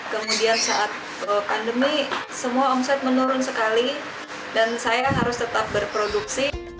kemudian saat pandemi semua omset menurun sekali dan saya harus tetap berproduksi